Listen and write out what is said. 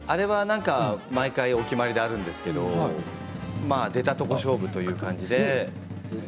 毎回お決まりであるんですけれど出たとこ勝負という感じで。